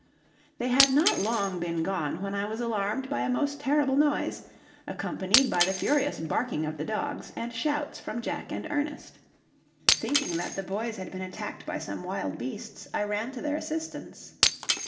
They had not long been gone when I was alarmed by a most terrible noise, accompanied by the furious barking of the dogs and shouts from Jack and Ernest. Thinking that the boys had been attacked by some wild beasts, I ran to their assistance.